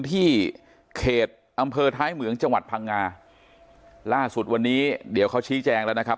ที่เขตอำเภอท้ายเหมืองจังหวัดพังงาล่าสุดวันนี้เดี๋ยวเขาชี้แจงแล้วนะครับ